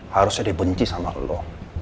harusnya dia benci sama lo